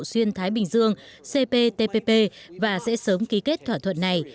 xuyên thái bình dương cptpp và sẽ sớm ký kết thỏa thuận này